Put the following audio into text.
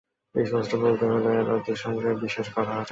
স্পষ্ট বলতে হল, এলাদির সঙ্গে বিশেষ কথা আছে।